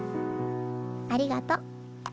ありがと。